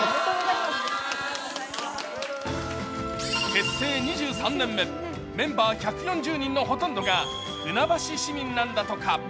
結成２３年目、メンバー１４０人のほとんどが船橋市民なんだとか。